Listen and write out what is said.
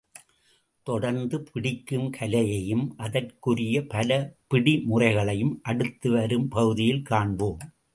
தொடர்ந்து, பிடிக்கும் கலையையும் அதற்குரிய பல பிடி முறைகளையும் அடுத்து வரும் பகுதியில் காண்போம்.